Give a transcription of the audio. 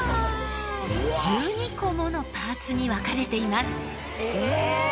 １２個ものパーツに分かれています。